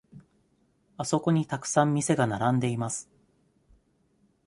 あそこにたくさん店が並んでいます。